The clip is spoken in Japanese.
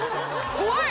怖い！